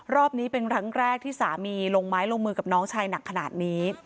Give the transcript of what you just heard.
รอบนี้เป็นครั้งแรกที่สามีลงไม้ลงมือกับน้องชายหนักขนาดนี้